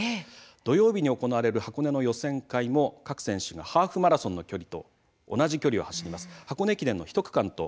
土曜日に行われる予選会も各選手がハーフマラソンの距離と同じくらいの距離を走ります。